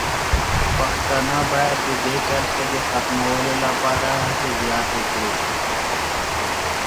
پښتانه باید د دې کرښې د ختمولو لپاره هڅې زیاتې کړي.